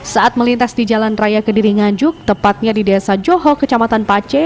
saat melintas di jalan raya kediri nganjuk tepatnya di desa johok kecamatan pace